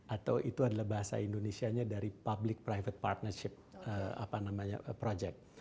atau itu adalah bahasa indonesianya dari public private partnership apa namanya project